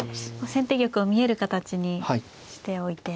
先手玉を見える形にしておいて。